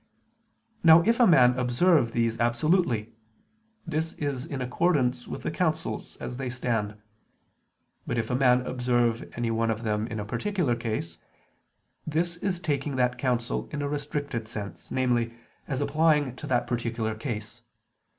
Now if a man observe these absolutely, this is in accordance with the counsels as they stand. But if a man observe any one of them in a particular case, this is taking that counsel in a restricted sense, namely, as applying to that particular case.